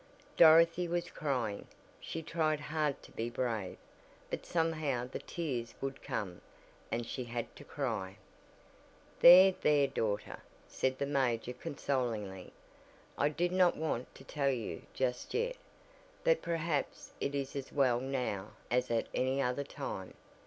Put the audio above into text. Dorothy was crying. She tried hard to be brave, but somehow the tears would come and she had to cry! "There, there, daughter," said the major consolingly. "I did not want to tell you just yet, but perhaps it is as well now as at any other time.